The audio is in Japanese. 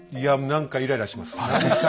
何かイライラします。